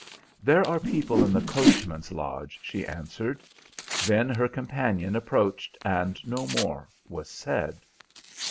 "'There are people in the coachman's lodge,' she answered. Then her companion approached, and no more was said.